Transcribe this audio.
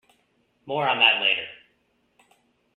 More on that later.